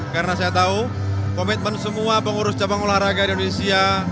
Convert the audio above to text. karena saya tahu komitmen semua pengurus jepang olahraga di indonesia